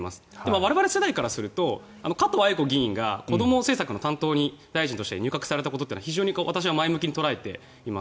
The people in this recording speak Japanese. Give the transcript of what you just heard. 我々世代からすると加藤鮎子議員がこども政策の担当大臣に入閣したことは前向きに捉えています。